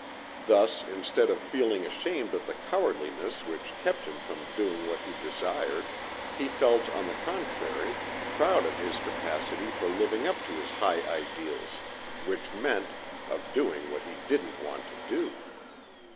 Thus instead of feeling ashamed of the cowardliness which kept him from doing what he desired, he felt on the contrary, proud of his capacity for living up to his high ideals, which meant of doing what he didn't want to do.